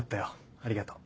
ありがとう。